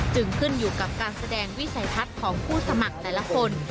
จึงขึ้นอยู่กับการแสดงวิสัยทัศน์ของผู้สมัครแต่ละคน